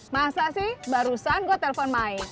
masa sih barusan gue telpon main